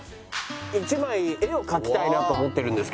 １枚絵を描きたいなと思ってるんですけど。